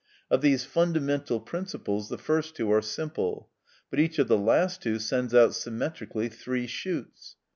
Of these fundamental principles, the first two are simple; but each of the last two sends out symmetrically three shoots.